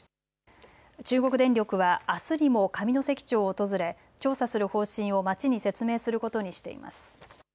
中国電力はあすにも上関町を訪れ調査する方針を町に説明することにしています。